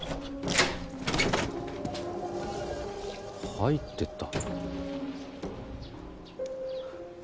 入ってった。